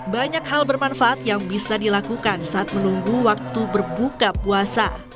banyak hal bermanfaat yang bisa dilakukan saat menunggu waktu berbuka puasa